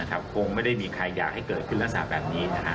คงไม่ได้มีใครอยากให้เกิดขึ้นลักษณะแบบนี้